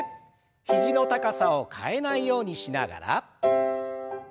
肘の高さを変えないようにしながら。